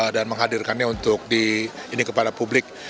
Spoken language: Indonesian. dan menghadirkannya untuk ini kepada publik